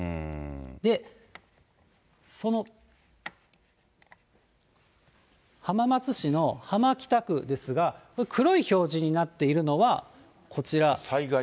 で、その浜松市の浜北区ですが、黒い表示になっているのは、こちら。